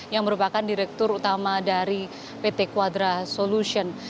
yang merupakan direktur utama dari pt quadra solution